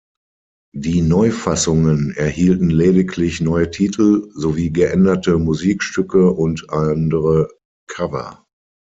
Die Neufassungen erhielten lediglich neue Titel sowie geänderte Musikstücke und andere Cover.